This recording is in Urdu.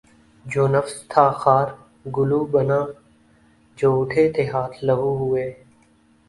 جو نفس تھا خار گلو بنا جو اٹھے تھے ہاتھ لہو ہوئے